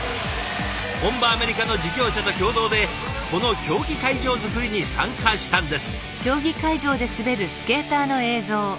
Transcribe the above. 本場アメリカの事業者と共同でこの競技会場作りに参加したんです。